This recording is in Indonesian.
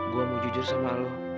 gue mau jujur sama lo